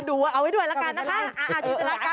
อะก็ดูเอาไว้ด้วยละกันนะคะ